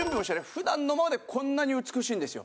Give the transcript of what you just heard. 普段のままでこんなに美しいんですよ。